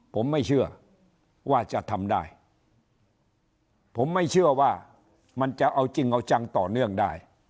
ผมไม่เชื่อว่าจะทำได้ผมไม่เชื่อว่ามันจะเอาจริงเอาจังต่อเนื่องได้